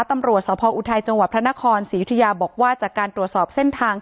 ตำรวจสพออุทัยจังหวัดพระนครศรียุธยาบอกว่าจากการตรวจสอบเส้นทาง